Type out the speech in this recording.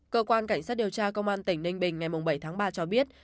cơ quan cảnh sát điều tra công an tỉnh ninh bình ngày bảy tháng ba cho biết